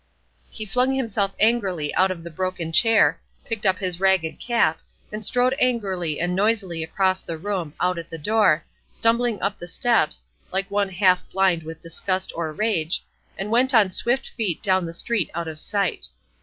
He flung himself angrily out of the broken chair, picked up his ragged cap, and strode angrily and noisily across the room, out at the door, stumbling up the steps, like one half blind with disgust or rage, and went on swift feet down the street out of sight.